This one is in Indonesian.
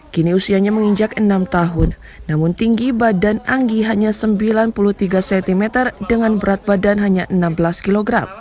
kini usianya menginjak enam tahun namun tinggi badan anggi hanya sembilan puluh tiga cm dengan berat badan hanya enam belas kg